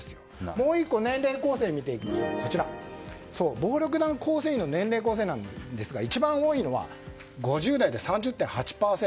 もう１個、年齢構成を見ると暴力団組員の年齢構成なんですが一番多いのは５０代で３０．８％。